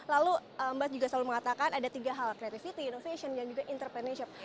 lalu mbak juga selalu mengatakan ada tiga hal creativity innovation dan juga entrepreneurship